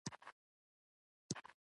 پکتیا د افغانستان د سیاسي جغرافیه برخه ده.